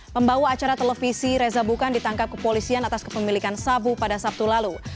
pembawa acara televisi reza bukan ditangkap kepolisian atas kepemilikan sabu pada sabtu lalu